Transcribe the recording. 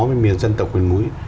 với miền dân tộc huyền mũi